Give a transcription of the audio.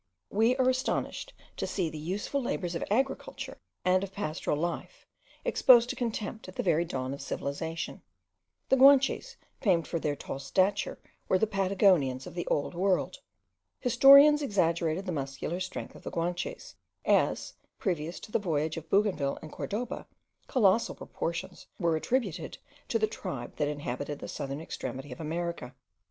We are astonished to see the useful labours of agriculture, and of pastoral life, exposed to contempt at the very dawn of civilization. The Guanches, famed for their tall stature, were the Patagonians of the old world. Historians exaggerated the muscular strength of the Guanches, as, previous to the voyage of Bougainville and Cordoba, colossal proportions were attributed to the tribe that inhabited the southern extremity of America.